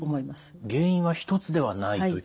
原因は一つではないという。